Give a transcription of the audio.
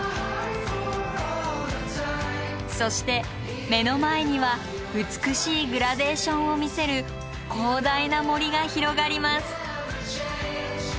そして目の前には美しいグラデーションを見せる広大な森が広がります。